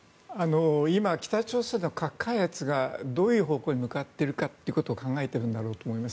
今、北朝鮮の核開発がどういう方向に向かっているかということを考えているんだろうと思います。